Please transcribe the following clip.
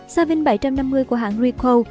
savin bảy trăm năm mươi của hãng ricoh